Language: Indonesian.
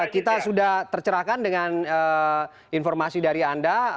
kita sudah tercerahkan dengan informasi dari anda